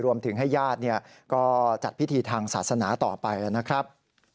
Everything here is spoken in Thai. รวมถึงให้ญาติก็จัดพิธีทางศาสนาต่อไปนะครับ